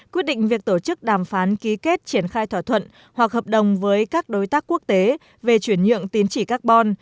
quyết định việc tổ chức đàm phán ký kết triển khai thỏa thuận hoặc hợp đồng với các đối tác quốc tế về chuyển nhượng tín chỉ carbon